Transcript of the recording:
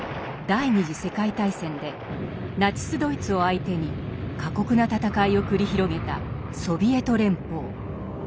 第二次世界大戦でナチスドイツを相手に過酷な戦いを繰り広げたソビエト連邦。